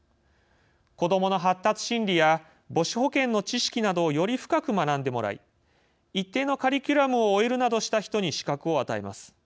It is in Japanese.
子どもの発達心理や母子保健の知識などをより深く学んでもらい一定のカリキュラムを終えるなどした人に資格を与えます。